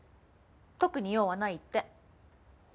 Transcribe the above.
特に用はないって。